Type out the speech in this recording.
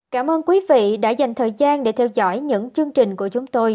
cảm ơn quý vị đã dành thời gian để theo dõi những chương trình của chúng tôi